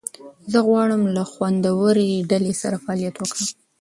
زه غواړم له خوندورې ډلې سره فعالیت وکړم.